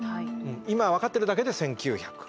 今分かってるだけで１，９００。